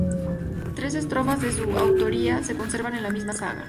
Tres estrofas de su autoría se conservan en la misma saga.